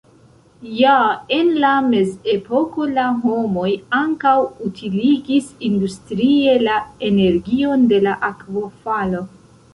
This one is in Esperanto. Ja en la mezepoko la homoj ankaŭ utiligis industrie la energion de la akvofalo.